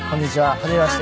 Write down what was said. はじめまして。